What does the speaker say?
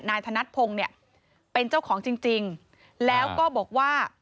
ธนัดพงศ์เนี่ยเป็นเจ้าของจริงแล้วก็บอกว่า